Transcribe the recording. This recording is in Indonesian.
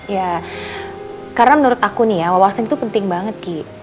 ya karena menurut aku nih ya wawasan itu penting banget ki